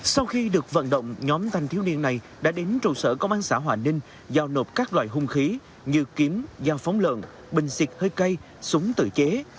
sau khi được vận động nhóm thanh thiếu niên này đã đến trụ sở công an xã hòa ninh giao nộp các loại hung khí như kiếm giao phóng lợn bình xịt hơi cây súng tự chế